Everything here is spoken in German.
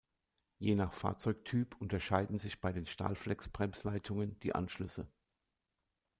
Je nach Fahrzeugtyp unterscheiden sich bei den Stahlflex-Bremsleitungen die Anschlüsse.